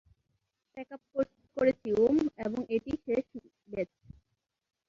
Pack up করেছি ওম, এবং এটিই শেষ ব্যাচ।